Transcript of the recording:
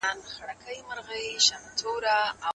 ده دوه نوي برېښنالیکونه په دقت سره وکتل.